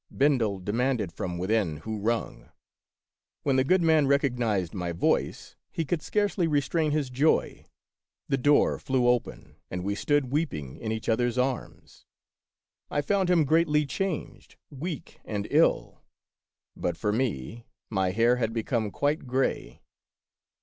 Ben del demanded from within who rung. When of Peter Schlemihl. 8i the good man recognized my voice, he could scarcely restrain his joy. The door flew open, and we stood weeping in each other's arms. I found him greatly changed, weak and ill; but for me — my hair had become quite gray!